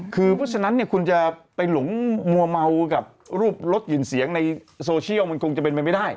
คือเพราะฉะนั้นเนี่ยคุณจะไปหลงมัวเมากับรูปลดกลิ่นเสียงในโซเชียลมันคงจะเป็นไปไม่ได้